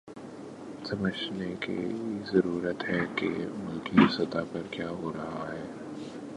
سمجھنے کی ضرورت ہے کہ ملکی سطح پہ کیا ہو رہا ہے۔